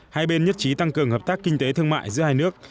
hai bên nhất trí tăng cường hợp tác kinh tế thương mại giữa hai nước